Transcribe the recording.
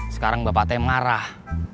sekarang bapak teh marah